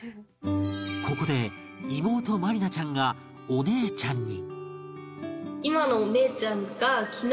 ここで妹真理奈ちゃんがお姉ちゃんに